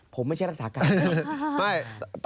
ผมไม่ใช่รักษาการ